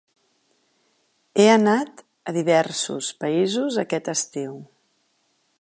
He anat a diversos països aquest estiu.